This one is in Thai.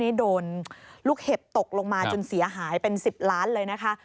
นี่โดนลูกเห็บตกลงมาจนเสียหายเป็น๑๐ล้านเลยนะคะ